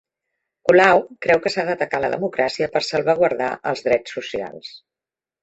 Colau creu que s'ha d'atacar la democràcia per salvaguardar els drets socials